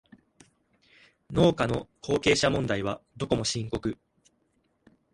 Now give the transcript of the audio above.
農家の後継者問題はどこも深刻